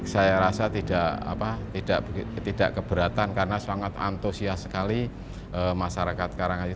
saya rasa tidak keberatan karena sangat antusias sekali masyarakat karangasem